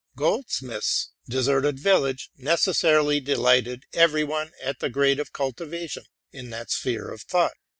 Goldsmith's '+ Deserted Village "' necessarily delighted every one at that stage of culture in that sphere of thought.